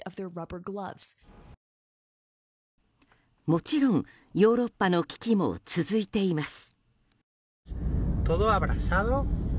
もちろん、ヨーロッパの危機も続いています。